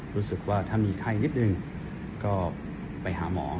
รู้สึกว่าถ้ามีไข้นิดนึงก็ไปหาหมอ